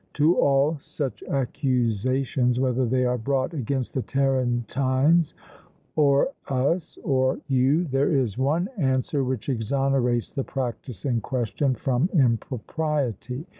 To all such accusations, whether they are brought against the Tarentines, or us, or you, there is one answer which exonerates the practice in question from impropriety.